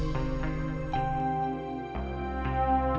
saya bisa ke rumah sama anak sahabat